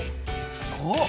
すごっ！